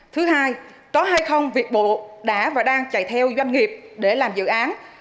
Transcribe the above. thứ hai có hay không việc bộ đã và đang chạy theo doanh nghiệp để làm dự án